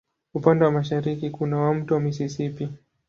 Upande wa mashariki kuna wa Mto Mississippi.